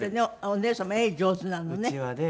お姉様絵上手なのね。